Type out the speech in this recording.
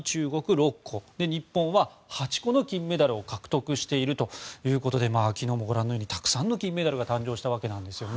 ６個日本は８個の金メダルを獲得しているということで昨日もご覧のとおりたくさんの金メダルが誕生したわけなんです。